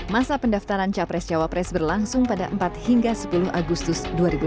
masa pendaftaran capres cawapres berlangsung pada empat hingga sepuluh agustus dua ribu sembilan belas